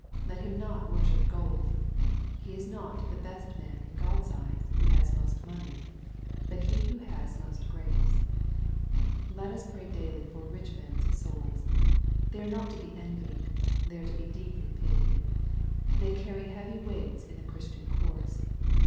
Let him not worship gold. He is not the best man in Grod's eyes who has most money, but he who has most grace. Let us pray daily for rich men's souls. They are not to be envied. They are deeply to be pitied. They carry heavy weights in the Christian course.